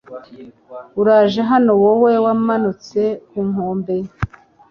uraje hano wowe wamanutse ku nkombe